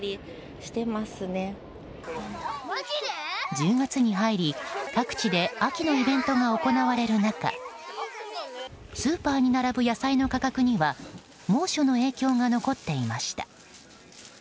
１０月に入り各地で秋のイベントが行われる中スーパーに並ぶ野菜の価格には猛暑の影響が残っていました。